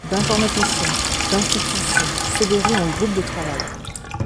d'informaticiens, d'institutions, fédérés en groupes de travail.